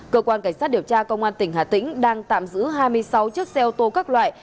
cơ quan cảnh sát điều tra công an tỉnh hà tĩnh đang tạm giữ hai mươi sáu chiếc xe ô tô các loại